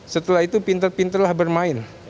setelah itu pinter pinter lah bermain